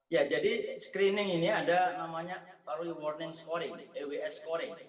ya jadi screening ini ada namanya ews scoring